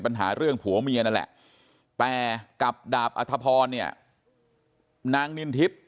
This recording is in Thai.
ปัญหาเรื่องผัวเมียนั่นแหละแต่กับดาบอัธพรเนี่ยนางนินทิพย์